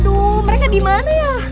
aduh mereka di mana ya